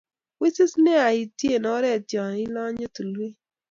Wisis nea iutyen oret ye ilonye tulwet.